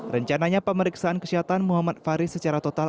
rencananya pemeriksaan kesehatan muhammad faris secara total